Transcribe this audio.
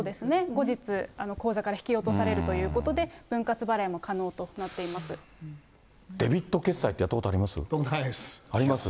後日、口座から引き落とされるということで、分割払いも可能となっていデビット決済ってやったこと僕、ないです。